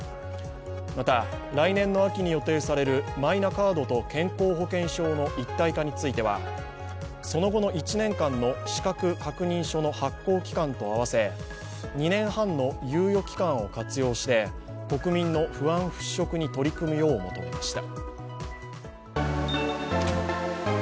また、来年の秋に予定されるマイナカードと健康保険証の一体化については、その後の１年間の資格確認書の発行期間と合わせ２年半の猶予期間を活用して国民の不安払拭に取り組むよう求めました。